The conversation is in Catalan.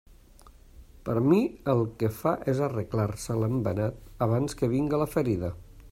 Per a mi, el que fa és arreglar-se l'embenat abans que vinga la ferida.